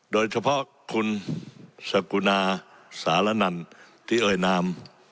โดยเฉพาะคุณสกุณาสารนันที่เอ่ยนาม